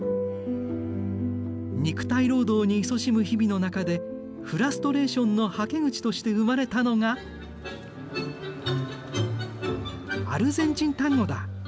肉体労働にいそしむ日々の中でフラストレーションのはけ口として生まれたのがアルゼンチン・タンゴだ。